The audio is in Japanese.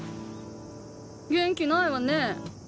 元気ないわね。